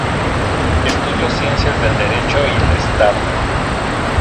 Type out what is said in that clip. Estudió ciencias del derecho y el Estado.